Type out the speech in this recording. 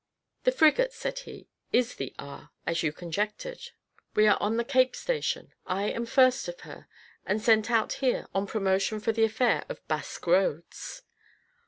"The frigate," said he, "is the R , as you conjectured. We are on the Cape station. I am first of her, and sent out here on promotion for the affair of Basque Roads."